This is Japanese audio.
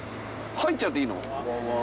入っちゃっていいの？